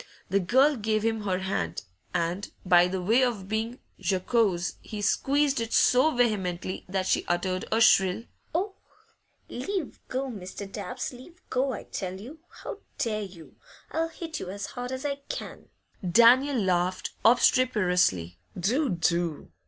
The girl gave him her hand, and, by way of being jocose, he squeezed it so vehemently that she uttered a shrill 'Oh!' 'Leave go, Mr. Dabbs! Leave go, I tell you! How dare you? I'll hit you as hard as I can!' Daniel laughed obstreperously. 'Do! do!